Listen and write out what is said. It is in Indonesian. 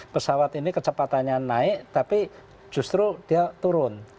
pesawat ini kecepatannya naik tapi justru dia turun